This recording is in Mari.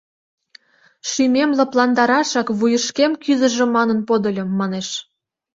— Шӱмем лыпландарашак вуйышкем кӱзыжӧ манын подыльым, — манеш.